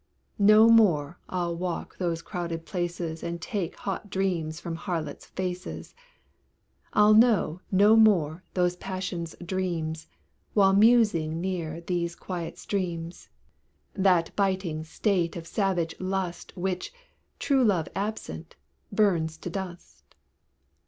No more I'll walk those crowded places And take hot dreams from harlots' faces; I'll know no more those passions' dreams, While musing near these quiet streams; That biting state of savage lust Which, true love absent, burns to dust.